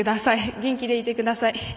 元気でいてください。